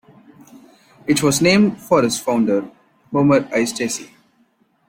It was named for its founder, Homer I. Stacy.